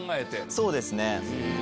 そうですね。